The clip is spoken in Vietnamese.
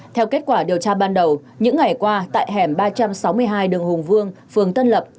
theo kết quả điều tra ban đầu những ngày qua tại hẻm ba trăm sáu mươi hai đường hùng vương phường tân lập